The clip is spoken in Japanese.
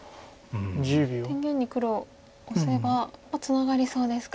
天元に黒オセばツナがりそうですか。